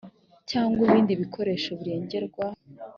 cyangwa ibindi bikoresho birengerwa